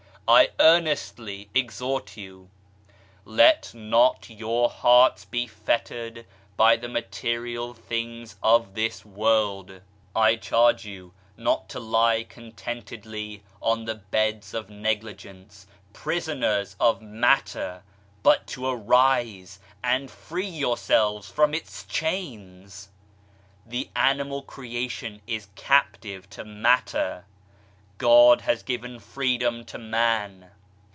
I earnestly exhort you : let not your hearts be fettered by the material things of this world ; I charge you not to lie contentedly on the beds of negligence, prisoners of matter, but to arise and free yourselves from its chains ! The animal creation is captive to matter, God has given freedom to Man.